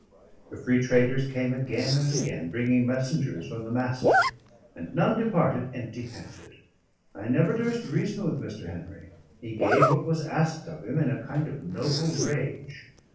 The free traders came again and again, bringing messengers from the Master, and none departed empty handed. I never durst reason with Mr. Henry; he gave what was asked of him in a kind of noble rage.